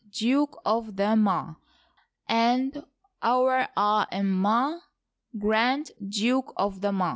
Duke of the Ma," and Ouer da en'Ma, Grand Duke of the Ma."